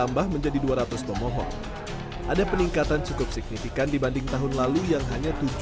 tambah menjadi dua ratus pemohon ada peningkatan cukup signifikan dibanding tahun lalu yang hanya